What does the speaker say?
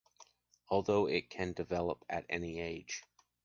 Although it can develop at any age.